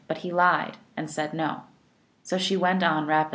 But he lied, and said " No." So she went on rapidly.